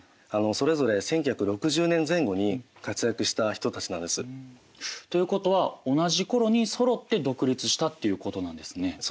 それぞれ１９６０年前後に活躍した人たちなんです。ということは同じ頃にそろって独立したっていうことなんですね。